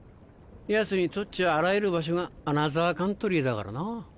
ヤツにとっちゃあらゆる場所がアナザーカントリーだからな。